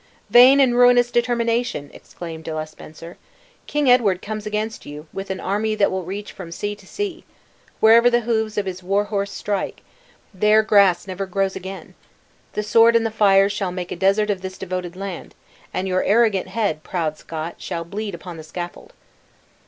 "Vain and ruinous determination!" exclaimed Le de Spencer; "King Edward comes against you, with an army that will reach from sea to sea. Wherever the hoofs of his war horse strike, there grass never grows again. The sword and the fire shall make a desert of this devoted land; and your arrogant head, proud Scot, shall bleed upon the scaffold!"